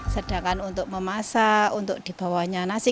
sedangkan untuk memasak untuk dibawanya nasi